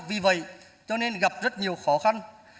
vì vậy cho nên gặp rất nhiều khó khăn